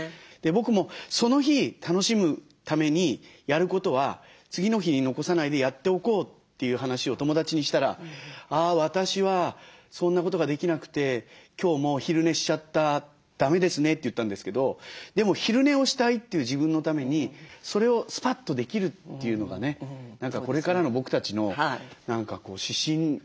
僕もその日楽しむためにやることは次の日に残さないでやっておこうという話を友達にしたら「あ私はそんなことができなくて今日も昼寝しちゃった。だめですね」って言ったんですけどでも昼寝をしたいという自分のためにそれをスパッとできるというのがね何かこれからの僕たちの指針ですね。